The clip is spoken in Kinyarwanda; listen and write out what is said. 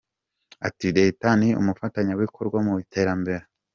Ati “Leta ni umufatanyabikorwa mu iterambere.